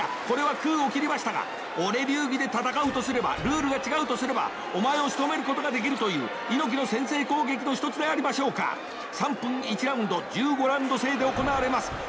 これは空を切りましたが俺流儀で戦うとすればルールが違うとすればお前をしとめることができるという猪木の先制攻撃の１つでありましょうか⁉３分１ラウンド１５ラウンド制で行われます。